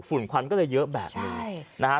ฝุ่นควันก็เลยเยอะแบบนี้